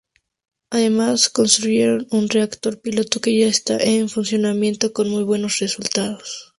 Además, construyeron un reactor piloto que ya está en funcionamiento, con muy buenos resultados.